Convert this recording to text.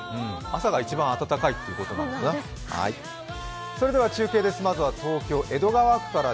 朝が一番暖かいということなのかな。